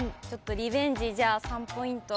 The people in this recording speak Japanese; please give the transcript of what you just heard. リベンジ３ポイント。